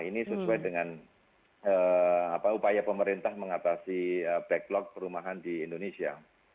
ini sesuai dengan upaya pemerintah mengatasi backlog perumahan di indonesia